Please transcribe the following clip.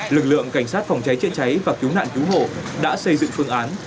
lực lượng cảnh sát phòng cháy chữa cháy và cứu nạn cứu hộ đã xây dựng phương án